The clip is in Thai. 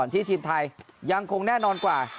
ทีมไทยยังคงแน่นอนกว่า